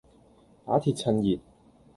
打鐵趁熱